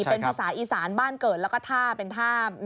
เป็นภาษาอีสานบ้านเกิดแล้วก็ท่าเป็นท่า